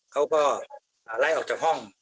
เขาก็ไล่ออกจากห้อง